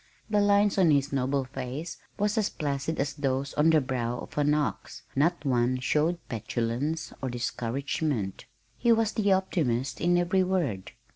The lines on his noble face were as placid as those on the brow of an ox not one showed petulance or discouragement. He was the optimist in every word.